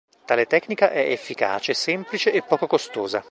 Tale tecnica è efficace, semplice e poco costosa.